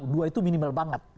dua itu minimal banget